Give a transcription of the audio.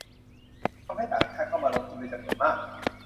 ทำให้ต่างชาติเข้ามาลงทุนเป็นจำนวนมาก